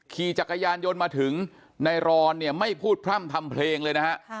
ขี่จักรยานยนต์มาถึงนายรอนเนี่ยไม่พูดพร่ำทำเพลงเลยนะฮะ